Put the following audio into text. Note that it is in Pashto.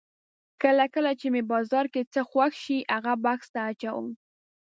کله کله چې مې بازار کې څه خوښ شي هغه بکس ته اچوم.